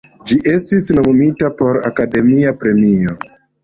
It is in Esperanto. Ĝi estis nomumita por Akademia Premio.